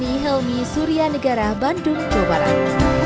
mita handayani helmy surya negara bandung jawa barat